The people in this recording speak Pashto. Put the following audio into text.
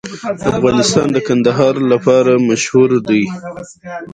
افغانستان د کندهار لپاره مشهور دی.